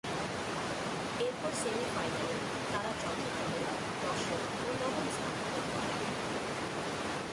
এরপর সেমি-ফাইনালে তারা যথাক্রমে দশম ও নবম স্থান দখল করেন।